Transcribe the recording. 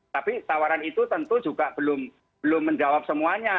tapi tawaran itu tentu juga belum menjawab semuanya